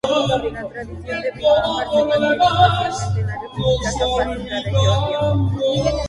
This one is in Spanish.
La tradición de vino ámbar se mantiene especialmente en la república caucásica de Georgia.